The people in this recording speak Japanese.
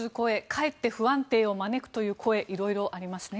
かえって不安定を招くという声色々ありますね。